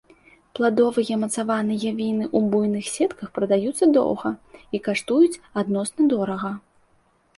Пладовыя мацаваныя віны у буйных сетках прадаюцца доўга і каштуюць адносна дорага.